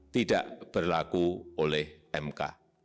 tidak berlaku oleh mk